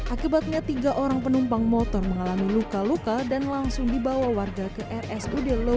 akibatnya tiga orang penumpang motor mengalami luka luka dan langsung dibawa warga ke rs ud lewi liang